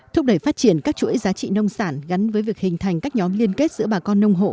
thúc đẩy phát triển các chuỗi giá trị nông sản gắn với việc hình thành các nhóm liên kết giữa bà con nông hộ